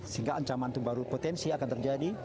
sehingga ancaman itu baru potensi akan terjadi